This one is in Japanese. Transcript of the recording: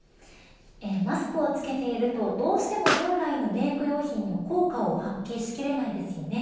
マスクを着けているとどうしても本来のメーク用品の効果を発揮しきれないですよね。